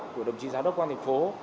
của đồng chí giáo đốc quan thành phố